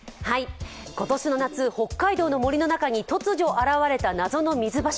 今年の夏、北海道の森の中に突如現れた謎の水柱。